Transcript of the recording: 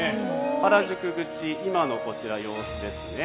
原宿口、今の様子ですね。